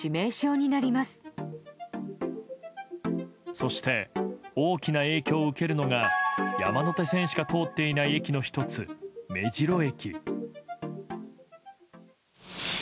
そして大きな影響を受けるのが山手線しか通っていない駅の１つ目白駅。